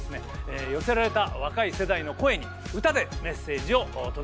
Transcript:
寄せられた若い世代の声に歌でメッセージを届けたいと思います。